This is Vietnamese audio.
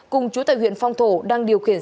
cùng chú tại huyện phong thổ đang điều khiển